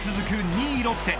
２位ロッテ。